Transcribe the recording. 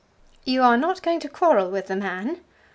"You are not going to quarrel with the man?"